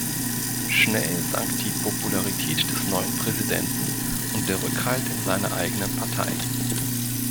Schnell sank die Popularität des neuen Präsidenten und der Rückhalt in seiner eigenen Partei.